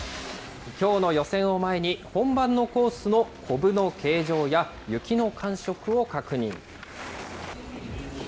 きょうの予選を前に、本番のコースのこぶの形状や、雪の感触を確認。